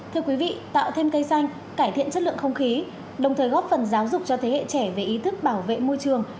thưa quý vị tạo thêm cây xanh cải thiện chất lượng không khí đồng thời góp phần giáo dục cho thế hệ trẻ về ý thức bảo vệ môi trường